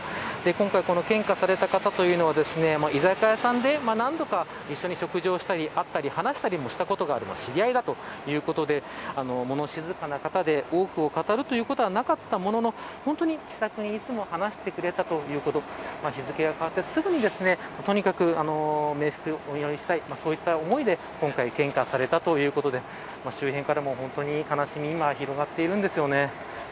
今回、献花されていた方は居酒屋さんで何度か一緒に食事をしたり話したりしたことがある知り合いだということで物静かな方で、多くを語ることはなかったものの気さくにいつも話してくれたということで日付が変わってすぐにとにかく冥福をお祈りしたいという思いで今回、献花されたということで周辺からも悲しみが広がっているんですよね。